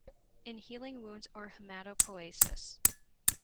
in healing wounds or hematopoiesis.